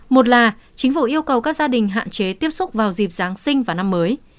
một là chính phủ yêu cầu các gia đình hạn chế tiếp xúc vào dịp giáng sinh và năm mới